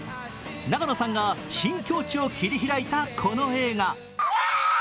永野さんが新境地を切り開いたこの映画。